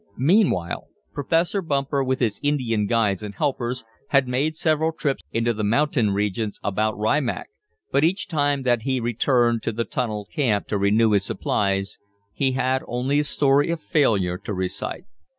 Meanwhile, Professor Bumper, with his Indian guides and helpers, had made several trips into the mountain regions about Rimac, but each time that he returned to the tunnel camp to renew his supplies, he had only a story of failure to recite.